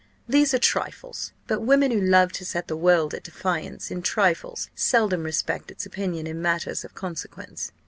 These are trifles; but women who love to set the world at defiance in trifles seldom respect its opinion in matters of consequence.